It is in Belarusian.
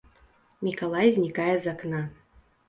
Мікалай знікае з акна.